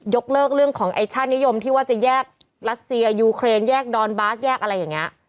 ยกเลิกเรื่องของท่านิยมว่าจะแยกรัสเซียยูเครนยากดอนบาสอะไรอย่างนี้